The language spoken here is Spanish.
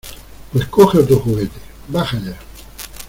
Pues coge otro juguete. ¡ Baja ya!